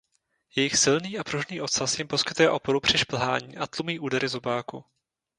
Jejich silný a pružný ocas jim poskytuje oporu při šplhání a tlumí údery zobáku.